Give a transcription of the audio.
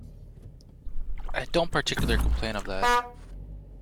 I don't particular complain of that.